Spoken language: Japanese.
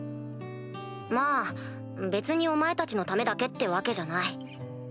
まぁ別にお前たちのためだけってわけじゃない。